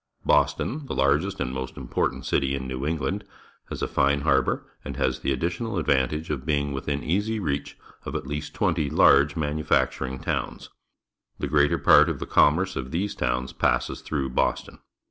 ^■ Boston, the largest and most important city in New England, has a fine harbour, and has the additional advantage of being within easy reach of at least twenty large manufacturing towns. The greater part of the commerce of these towns passes through Boston.